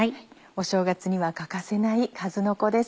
お正月には欠かせないかずのこです。